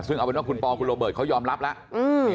ซึ่งเอาเป็นว่าคุณปอคุณโรเบิร์ตเขายอมรับแล้ว